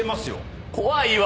怖いわ俺。